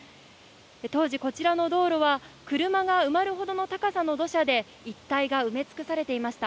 当時、こちらの道路は、車が埋まるほどの高さの土砂で、１階が埋め尽くされていました。